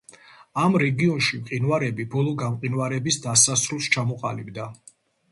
ამ რეგიონში მყინვარები ბოლო გამყინვარების დასასრულს ჩამოყალიბდა.